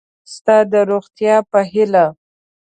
ستا د روغتیا په هیله